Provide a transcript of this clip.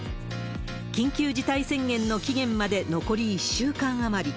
緊急事態宣言の期限まで残り１週間余り。